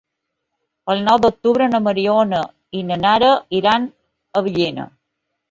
El nou d'octubre na Mariona i na Nara iran a Villena.